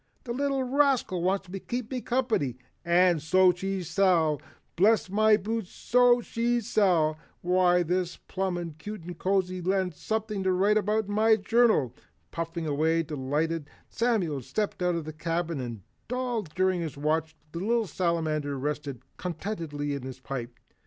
"The little rascal wants to keep me company, and so she shall, bless my boots, so she shall! Why this is plumb cute and cozy and something to write in my journal." Puffing away delightedly Samuel stepped out of the cabin and all during his watch, the little Salamander rested contentedly in his pipe.